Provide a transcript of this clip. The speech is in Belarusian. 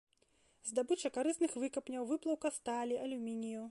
Здабыча карысных выкапняў, выплаўка сталі, алюмінію.